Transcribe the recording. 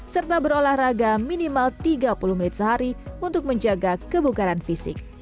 serta berolahraga minimal tiga puluh menit sehari untuk menjaga kebugaran fisik